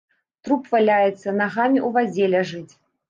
Труп валяецца, нагамі ў вадзе ляжыць.